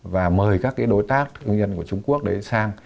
và mời các đối tác thương nhân của trung quốc đấy sang